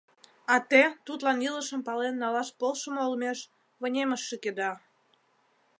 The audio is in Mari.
А те тудлан илышым пален налаш полшымо олмеш, вынемыш шӱкеда.